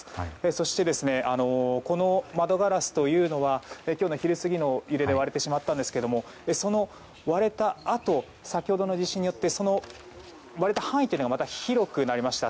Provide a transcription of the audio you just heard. そして、この窓ガラスというのは今日の昼過ぎの揺れで割れてしまったんですが先ほどの地震によって割れた範囲がまた広くなりました。